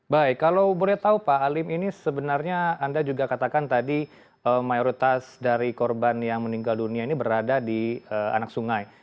baik kalau boleh tahu pak alim ini sebenarnya anda juga katakan tadi mayoritas dari korban yang meninggal dunia ini berada di anak sungai